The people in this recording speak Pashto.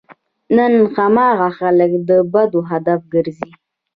نن هماغه خلک د بدو هدف ګرځي.